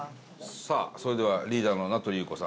さあそれではリーダーの名取裕子さん。